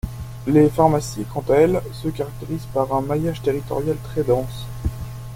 Les pharmacies, quant à elles, se caractérisent par un maillage territorial très dense.